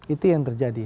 itu yang terjadi